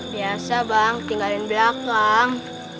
biasa bang tinggalin belakang